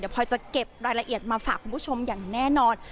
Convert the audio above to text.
พลอยจะเก็บรายละเอียดมาฝากคุณผู้ชมอย่างแน่นอน